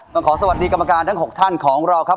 ต้องขอสวัสดีกรรมการทั้ง๖ท่านของเราครับ